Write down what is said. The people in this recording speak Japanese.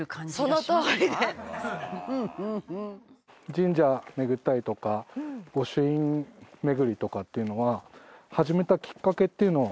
神社めぐったりとか御朱印めぐりとかっていうのは始めたきっかけっていうのは。